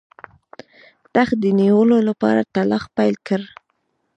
تخت د نیولو لپاره تلاښ پیل کړ.